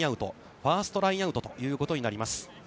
ファーストラインアウトということになります。